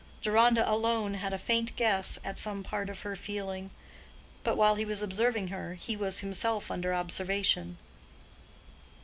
Deronda alone had a faint guess at some part of her feeling; but while he was observing her he was himself under observation.